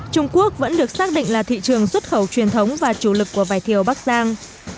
trung quốc vẫn được xác định là thị trường xuất khẩu truyền thống và chủ lực của vải thiều bắc giang